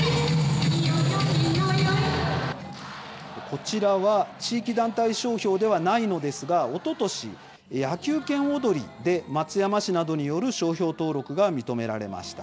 こちらは地域団体商標ではないのですが、おととし「野球拳おどり」で松山市などによる商標登録が認められました。